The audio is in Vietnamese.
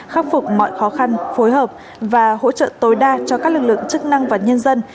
khắc phục mọi khó khăn phối hợp và hỗ trợ tối đa cho các lực lượng chức năng và nhân dân